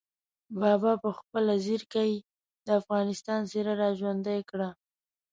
بابا په خپله ځیرکۍ د افغانستان څېره را ژوندۍ کړه.